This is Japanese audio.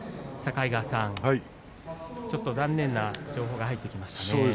境川さん、ちょっと残念な情報が入ってきましたね。